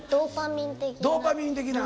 ドーパミン的な？